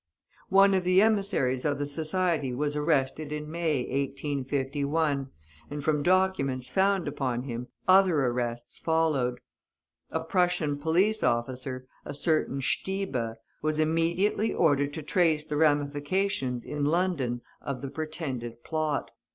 One of the emissaries of the society was arrested in May, 1851, and from documents found upon him, other arrests followed. A Prussian police officer, a certain Stieber, was immediately ordered to trace the ramifications, in London, of the pretended plot.